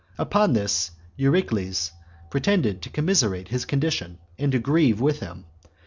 Upon this Eurycles pretended to commiserate his condition, and to grieve with him.